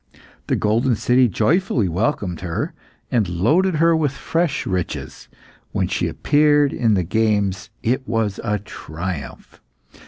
The golden city joyfully welcomed her, and loaded her with fresh riches; when she appeared in the games it was a triumph.